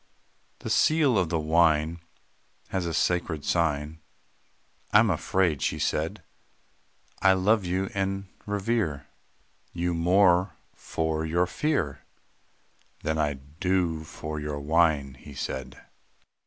"The seal of the wine Has a sacred sign; I am afraid," she said. "I love and revere You more for your fear, Than I do for your wine," he said.